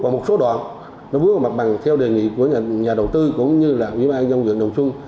và một số đoạn nó vướng vào mặt bằng theo đề nghị của nhà đầu tư cũng như là quỹ ban dân huyện đồng xuân